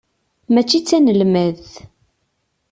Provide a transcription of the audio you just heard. Mačči d tanelmadt.